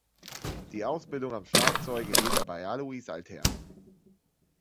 Die Ausbildung am Schlagzeug erhielt er bei Alois Altherr.